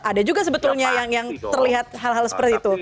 ada juga sebetulnya yang terlihat hal hal seperti itu